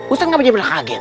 ustadz gak bisa berkaget